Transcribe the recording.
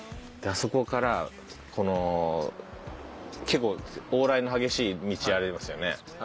であそこからこの結構往来の激しい道ありますよね。